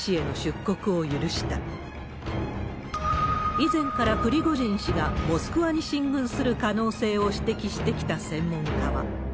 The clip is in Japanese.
以前からプリゴジン氏がモスクワに進軍する可能性を指摘してきた専門家は。